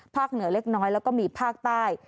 เหนือเล็กน้อยแล้วก็มีภาคใต้